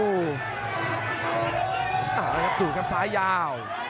น่ารักครับตูครับซ้ายยาว